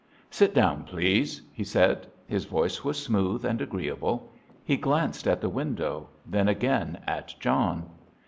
"Sit down, please," he said. His voice was smooth and agreeable. He glanced at the window, then again at John.